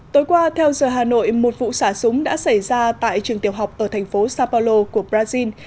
tối qua theo giờ hà nội một vụ xả súng đã xảy ra tại trường tiểu học ở thành phố sao paulo của brazil